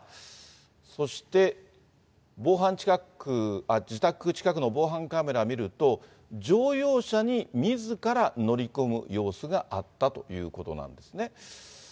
そして自宅近くの防犯カメラ見ると、乗用車にみずから乗り込む様子があったということなんですね。